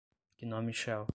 gnome shell